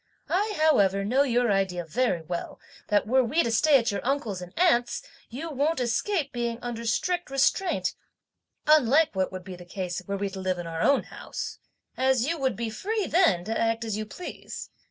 I however know your idea very well that were we kept to stay at your uncle's and aunt's, you won't escape being under strict restraint, unlike what would be the case were we to live in our own house, as you would be free then to act as you please!